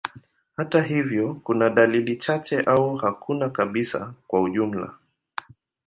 Hata hivyo, kuna dalili chache au hakuna kabisa kwa ujumla.